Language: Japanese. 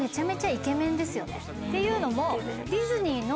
っていうのも。